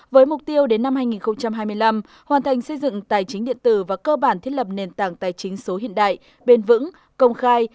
với mục tiêu đến năm hai nghìn hai mươi năm hoàn thành xây dựng tài chính điện tử và cơ bản thiết lập nền tảng tài chính số hiện đại bền vững công khai